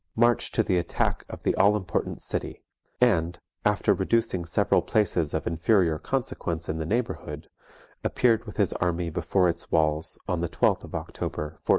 marched to the attack of the all important city; and, after reducing several places of inferior consequence in the neighbourhood, appeared with his army before its walls on the 12th of October, 1428.